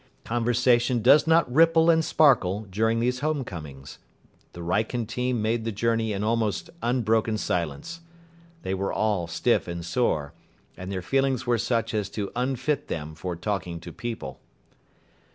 Conversation does not ripple and sparkle during these home comings. The Wrykyn team made the journey in almost unbroken silence. They were all stiff and sore, and their feelings were such as to unfit them for talking to people.